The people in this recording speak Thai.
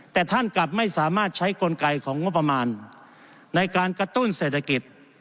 แต่ท่านกลับไม่สามารถใช้กลไกของงบประมาณในการกระตุ้นเศรษฐกิจ